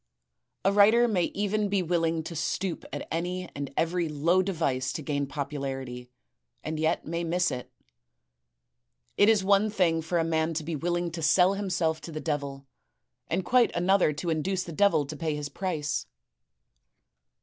A writer may even be willing to stoop to any and every low device to gain popularity, and yet may miss it. It is one thing for a man to be willing to sell himself to the devil, and quite another to induce the devil to pay his price.